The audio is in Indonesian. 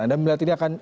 anda melihat ini akan